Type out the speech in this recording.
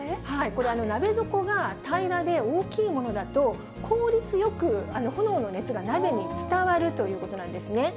これは鍋底が平らで大きいものだと、効率よく炎の熱が鍋に伝わるということなんですね。